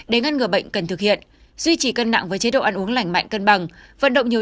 để ngăn ngừa bệnh cần thực hiện duy trì cân nặng với chế độ ăn uống lành mạnh cân bằng vận động nhiều